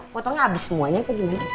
potongnya habis semuanya kak juri